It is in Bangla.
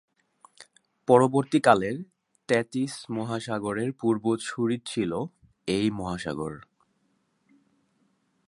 পরবর্তীকালের টেথিস মহাসাগরের পূর্বসুরী ছিল এই মহাসাগর।